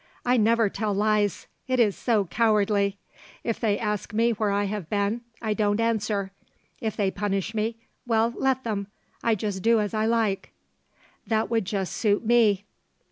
I never tell lies; it is so cowardly. If they ask me where I have been, I don't answer. If they punish me well, let them! I just do as I like.' 'That would just suit me.'